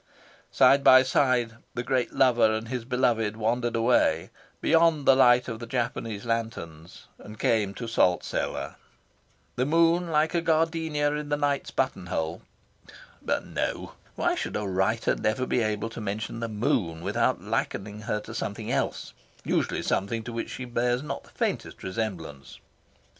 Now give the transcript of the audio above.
Side by side, the great lover and his beloved wandered away, beyond the light of the Japanese lanterns, and came to Salt Cellar. The moon, like a gardenia in the night's button hole but no! why should a writer never be able to mention the moon without likening her to something else usually something to which she bears not the faintest resemblance?...